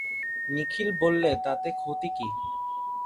নিখিল বললে, তাতে ক্ষতি কী?